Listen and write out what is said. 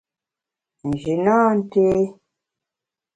Nji nâ nté.